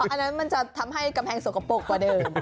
อันนั้นมันจะทำให้กำแพงสกปรกกว่าเดิม